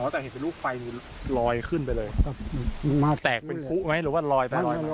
แต่เฮียตลูกไฟนี่ลอยขึ้นไปเลยไม่แตกด้วยอย่างรู้ว่าลอย